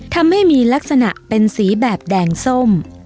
ทำให้มีลักษณะเป็นสีแบบแดงส้ม